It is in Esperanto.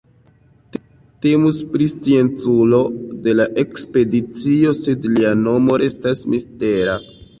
Temus pri scienculo de la ekspedicio sed lia nomo restas mistera.